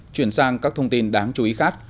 chuyển sang các thông tin đáng chú ý khác